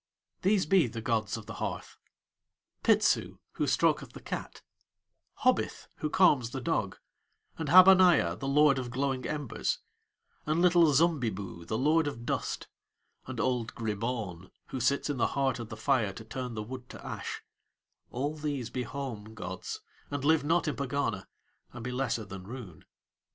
These be the gods of the hearth: Pitsu, who stroketh the cat; Hobith who calms the dog; and Habaniah, the lord of glowing embers; and little Zumbiboo, the lord of dust; and old Gribaun, who sits in the heart of the fire to turn the wood to ash all these be home gods, and live not in Pegana and be lesser than Roon.